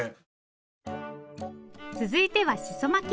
続いてはしそ巻き。